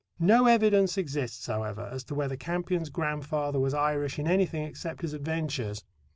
No evidence exists, however, as to whether Campion's grandfather was Irish in anything except his adventures.